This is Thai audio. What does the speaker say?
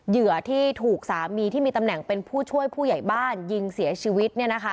เหยื่อที่ถูกสามีที่มีตำแหน่งเป็นผู้ช่วยผู้ใหญ่บ้านยิงเสียชีวิต